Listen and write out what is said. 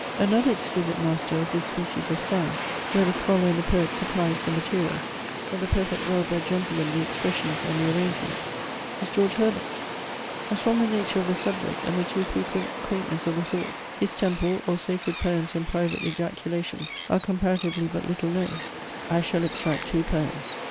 Another exquisite master of this species of style, where the scholar and the poet supplies the material, but the perfect well bred gentleman the expressions and the arrangement, is George Herbert. As from the nature of the subject, and the too frequent quaintness of the thoughts, his TEMPLE; or SACRED POEMS AND PRIVATE EJACULATIONS are Comparatively but little known, I shall extract two poems.